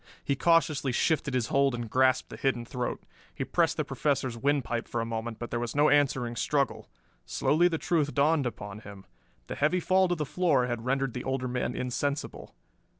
He cautiously shifted his hold and grasped the hidden throat. He pressed the Professor's windpipe for a moment, but there was no answering struggle. Slowly the truth dawned upon him. The heavy fall to the floor had rendered the older man insensible.